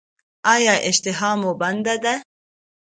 ایا اشتها مو بنده ده؟